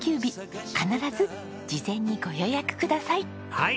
はい。